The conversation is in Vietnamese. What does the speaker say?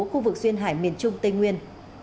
khu vực xuyên hải miền trung tây nguyên